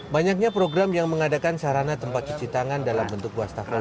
banyaknya program yang mengadakan sarana tempat cuci tangan dalam bentuk wastafel